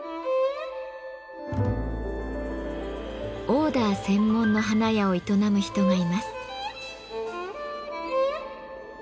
オーダー専門の花屋を営む人がいます。